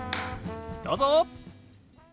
どうぞ！